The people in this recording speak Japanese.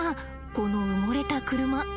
この埋もれた車実は。